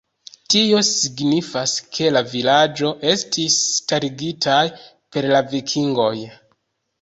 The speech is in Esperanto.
Tio signifas ke la vilaĝo estis starigitaj per la vikingoj.